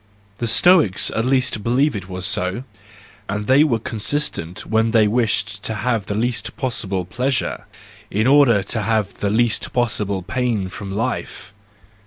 The Stoics at least believed it was so, and they were consistent when they wished to have the least possible pleasure, in order to have the least possible pain from life.